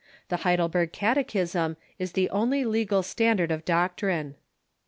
The Heidelberg Catechism is the only legal standard of doctrine.